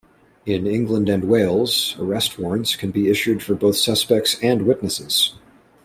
In England and Wales, arrest warrants can be issued for both suspects and witnesses.